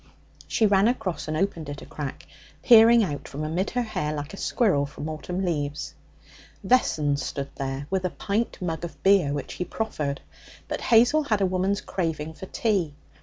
She ran across and opened it a crack, peering out from amid her hair like a squirrel from autumn leaves. Vessons stood there with a pint mug of beer, which he proffered. But Hazel had a woman's craving for tea.